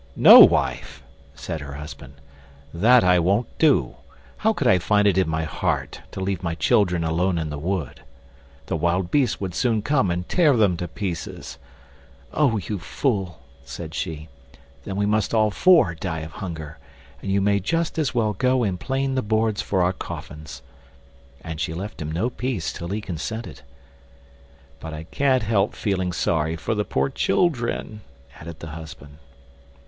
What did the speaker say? "No, wife," said her husband, "that I won't do; how could I find it in my heart to leave my children alone in the wood? The wild beasts would soon come and tear them to pieces." "Oh! you fool," said she, "then we must all four die of hunger, and you may just as well go and plane the boards for our coffins"; and she left him no peace till he consented. "But I can't help feeling sorry for the poor children," added the husband.